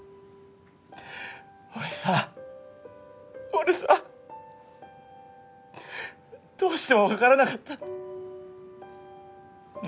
俺さ俺さどうしても分からなかったんだ。